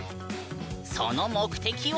その目的は？